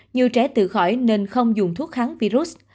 nhiều trẻ tự khỏi nên không dùng thuốc kháng virus